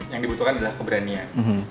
yang dibutuhkan adalah keberanian